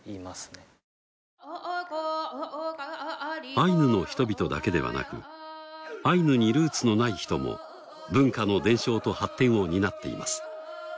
アイヌの人々だけではなくアイヌにルーツのない人も文化の伝承と発展を担っています。